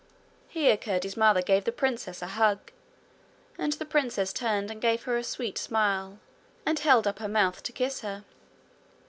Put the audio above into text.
Here Curdie's mother gave the princess a hug, and the princess turned and gave her a sweet smile, and held up her mouth to kiss her.